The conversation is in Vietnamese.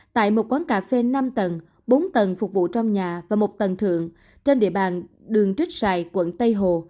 tại một quán cà phê năm tầng bốn tầng phục vụ trong nhà và một tầng thượng trên địa bàn đường trích xài quận tây hồ